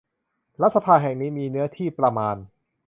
รัฐสภาแห่งนี้มีเนื้อที่ประมาณ